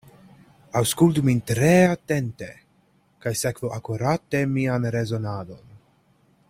Aŭskultu min tre atente, kaj sekvu akurate mian rezonadon.